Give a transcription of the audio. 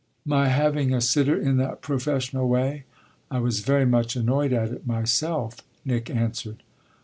"My having a sitter in that professional way? I was very much annoyed at it myself," Nick answered.